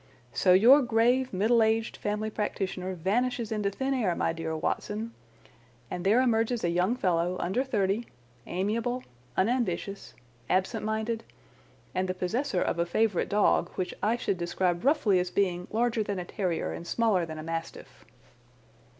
So your grave, middle aged family practitioner vanishes into thin air, my dear Watson, and there emerges a young fellow under thirty, amiable, unambitious, absent minded, and the possessor of a favourite dog, which I should describe roughly as being larger than a terrier and smaller than a mastiff."